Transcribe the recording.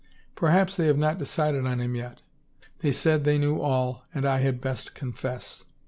Perhaps they have not decided on him yet. They said they knew all and I had best confess.